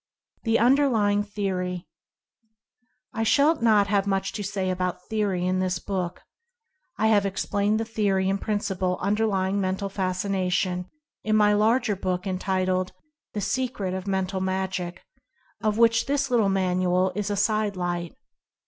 THE UNDERLYING THEORY. I shall not have much to say about theory in this book. I have explained the theory and principle un io Mental Fascination derlying Mental Fascination, in my larger book en titled "The Secret of Mental Magic," of which this little manual is a "Side Light."